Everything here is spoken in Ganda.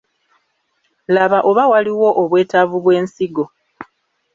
Laba oba waliwo obwetaavu bw’ensigo.